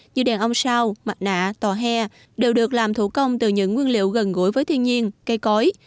như đèn ông sao mặt nạ tòa hè đều được làm thủ công từ những nguyên liệu gần gũi với thiên nhiên cây cối